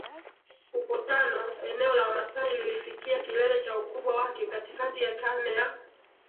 hukotano Eneo la Wamasai lilifikia kilele cha ukubwa wake katikati ya karne ya